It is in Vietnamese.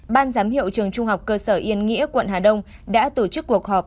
ban giám hiệu trường trung học cơ sở yên nghĩa quận hà đông đã tổ chức cuộc họp